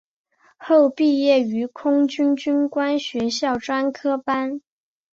后毕业于空军军官学校专科班。